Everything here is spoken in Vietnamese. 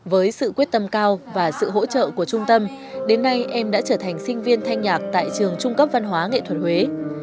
với sự quyết tâm cao và sự hỗ trợ của trung tâm đến nay em đã trở thành sinh viên thanh nhạc tại trường trung cấp văn hóa nghệ thuật huế